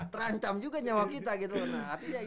terancam juga nyawa kita gitu